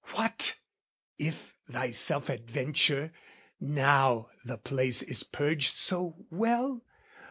"What if thyself adventure, now the place "Is purged so well?